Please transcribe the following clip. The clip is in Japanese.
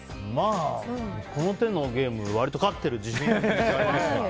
この手のゲーム割と勝ってる自信がありますから。